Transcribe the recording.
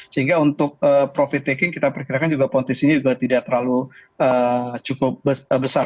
sehingga untuk profit taking kita perkirakan juga potensinya juga tidak terlalu cukup besar